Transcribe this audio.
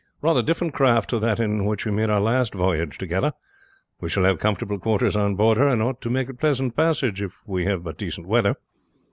"Rather different craft to that in which we made our last voyage together. We shall have comfortable quarters on board her, and ought to make a pleasant passage if we have but decent weather."